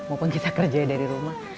walaupun kita kerjanya dari rumah